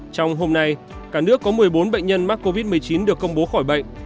trong hôm nay cả nước có một mươi bốn bệnh nhân mắc covid một mươi chín được công bố khỏi bệnh